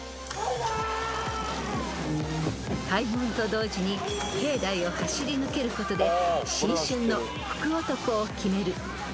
［開門と同時に境内を走り抜けることで新春の福男を決める］